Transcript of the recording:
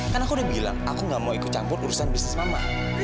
karena aku udah bilang aku gak mau ikut campur urusan bisnis mama